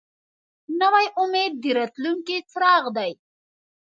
نوی امید د راتلونکي څراغ دی